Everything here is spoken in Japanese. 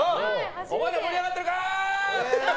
お前ら、盛り上がってるか？